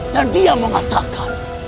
dan dia mengatakan